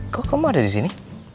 kok kamu ada disini